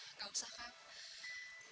nggak usah kak